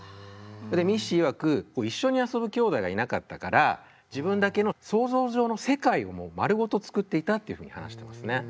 でミッシーいわく一緒に遊ぶきょうだいがいなかったから自分だけの想像上の世界をもう丸ごとつくっていたっていうふうに話してますね。